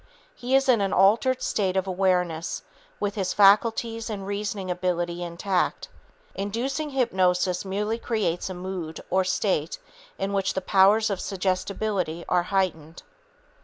He is in an altered state of awareness with his faculties and reasoning ability intact. Inducing hypnosis merely creates a mood or state in which the powers of suggestibility are heightened.